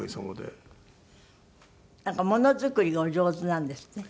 なんか物作りがお上手なんですって？